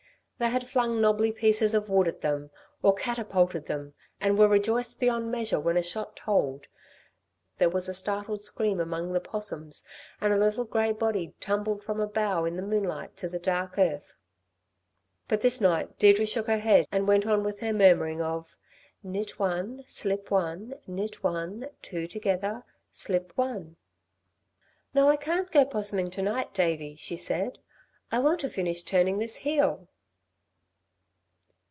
They had flung knobby pieces of wood at them, or catapulted them, and were rejoiced beyond measure when a shot told, there was a startled scream among the 'possums and a little grey body tumbled from a bough in the moonlight to the dark earth. But this night Deirdre shook her head, and went on with her murmuring of: "Knit one, slip one, knit one, two together, slip one." "No, I can't go 'possuming to night, Davey," she said. "I want to finish turning this heel."